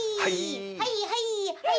はいはいはい。